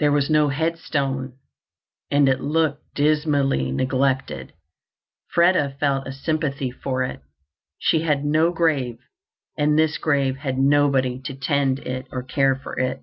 There was no headstone, and it looked dismally neglected. Freda felt a sympathy for it. She had no grave, and this grave had nobody to tend it or care for it.